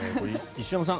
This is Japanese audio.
石山さん